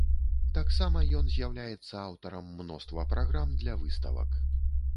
Таксама ён з'яўляецца аўтарам мноства праграм для выставак.